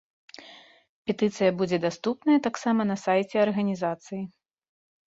Петыцыя будзе даступная таксама на сайце арганізацыі.